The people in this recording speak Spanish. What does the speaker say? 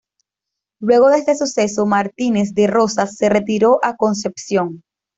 Luego de este suceso, Martínez de Rozas se retiró a Concepción.